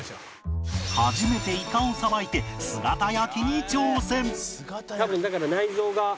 初めてイカをさばいて姿焼きに挑戦